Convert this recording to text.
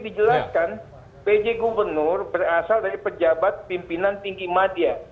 dijelaskan pj gubernur berasal dari pejabat pimpinan tinggi media